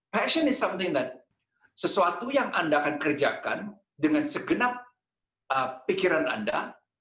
pasien adalah sesuatu yang anda akan kerjakan dengan segenap pikiran anda